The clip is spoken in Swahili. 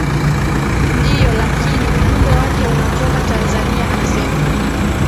ndio lakini ujumbe wake unatoka tanzania anasema